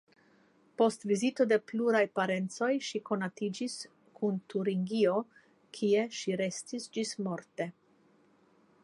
Post vizito de pluraj parencoj ŝi konatiĝis kun Turingio kie ŝi restis ĝismorte.